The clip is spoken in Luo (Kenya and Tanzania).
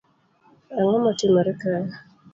Ango matimore kae